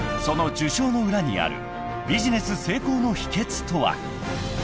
［その受賞の裏にあるビジネス成功の秘訣とは］